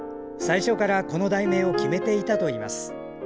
最初からこの題名を決めていたといいます。